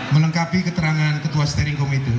melengkapi keterangan ketua steering committee